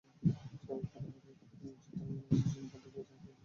পারিবারিক সূত্রে জানা গেছে, শনিবার দুপুরে জাহিদ হাসান বাড়ির পাশে খেলা করছিল।